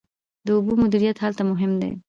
د اوبو مدیریت هلته مهم دی.